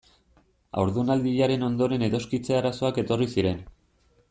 Haurdunaldiaren ondoren edoskitze arazoak etorri ziren.